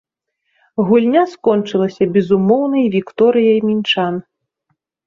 Гульня скончылася безумоўнай вікторыяй мінчан.